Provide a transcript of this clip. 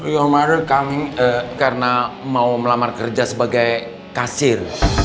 your mother coming karena mau melamar kerja sebagai kasir